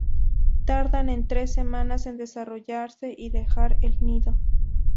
Tardan en tres semanas en desarrollarse y dejar el nido.